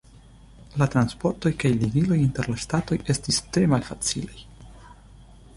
La transportoj kaj ligiloj inter la ŝtatoj estis tre malfacilaj.